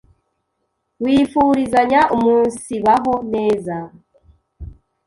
wifurizanya umunsibaho neza